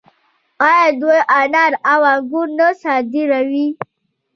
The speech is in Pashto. آیا دوی انار او انګور نه صادروي؟